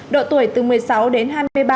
độ tuổi từ một mươi sáu đến hai mươi ba